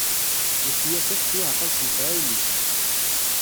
Lekyasa tettwaɛqal s lefɛayel-is.